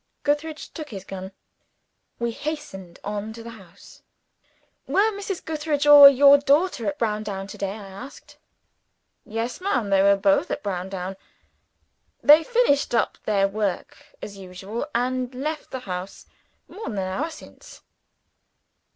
Gootheridge took his gun. We hastened on to the house. "Were Mrs. Gootheridge or your daughter at Browndown today?" I asked. "Yes, ma'am they were both at Browndown. They finished up their work as usual and left the house more than an hour since."